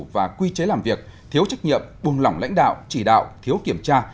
và quy chế làm việc thiếu trách nhiệm buông lỏng lãnh đạo chỉ đạo thiếu kiểm tra